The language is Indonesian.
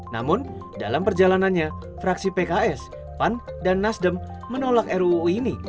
namun dalam perjalanannya fraksi pks pan dan nasdem menolak ruu ini